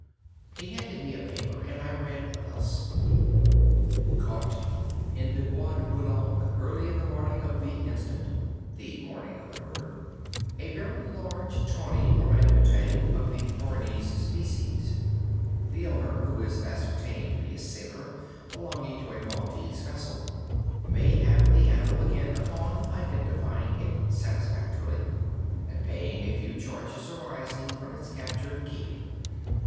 He handed me a paper, and I read thus: CAUGHT—In the Bois de Boulogne, early in the morning of the ——inst., (the morning of the murder),owner _a very large, tawny Ourang Outang of the Bornese species. The owner (who is ascertained to be a sailor, belonging to a Maltese vessel) may have the animal again, upon identifying it satisfactorily, and paying a few charges arising from its capture and keeping.